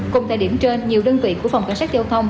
cùng thời điểm trên nhiều đơn vị của phòng cảnh sát giao thông